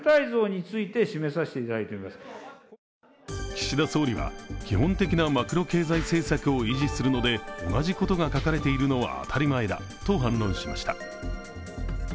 岸田総理は、基本的なマクロ経済政策を維持するので同じことが書かれているのは当たり前だと反論しました。